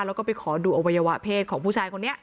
แล้วก็ไปขอดูอวัยวะเพศของผู้ชายคนนี้